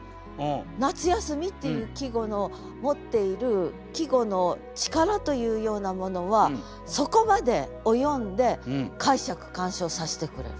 「夏休」っていう季語の持っている季語の力というようなものはそこまで及んで解釈鑑賞させてくれる。